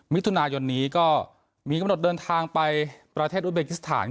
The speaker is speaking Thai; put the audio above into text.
มิถุนายนนี้ก็มีกำหนดเดินทางไปประเทศอุเบกิสถาน